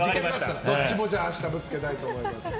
どっちも明日ぶつけたいと思います。